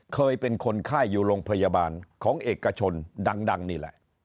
เคยเป็นคนไข้อยู่โรงพยาบาลของเอกชนดังนี่แหละ